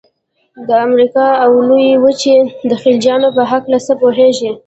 د امریکا د لویې وچې د خلیجونو په هلکه څه پوهیږئ؟